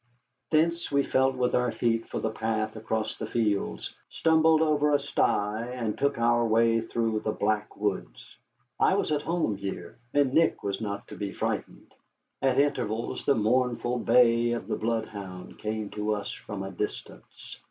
Thence we felt with our feet for the path across the fields, stumbled over a sty, and took our way through the black woods. I was at home here, and Nick was not to be frightened. At intervals the mournful bay of a bloodhound came to us from a distance.